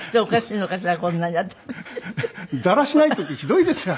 だらしない時ひどいですよ。